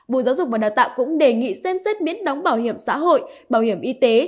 bộ giáo dục và đào tạo cũng đề nghị xem xét miễn đóng bảo hiểm xã hội bảo hiểm y tế